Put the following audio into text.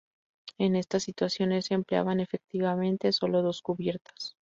En estas situaciones se empleaban efectivamente sólo dos cubiertas.